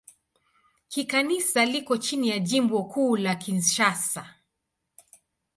Kikanisa liko chini ya Jimbo Kuu la Kinshasa.